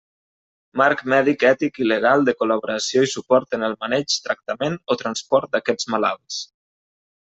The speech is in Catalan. Marc mèdic ètic i legal de col·laboració i suport en el maneig, tractament o transport d'aquests malalts.